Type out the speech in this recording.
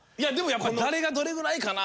やっぱり誰がどれぐらいかな？